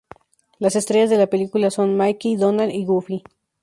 Las estrellas de la película son Mickey, Donald y Goofy.